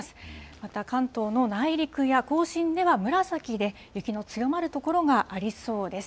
また関東の内陸や甲信では、紫で、雪の強まる所がありそうです。